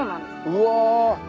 うわ。